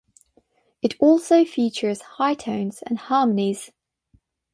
It also features high tones and harmonies.